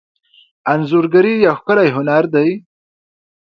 انځورګري یو ښکلی هنر دی.